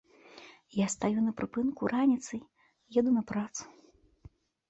Я стаю на прыпынку раніцай, еду на працу.